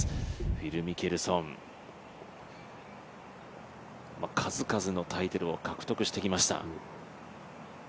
フィル・ミケルソン、数々のタイトルを獲得してきました。